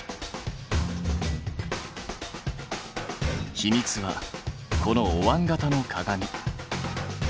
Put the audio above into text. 秘密はこのおわん形の鏡。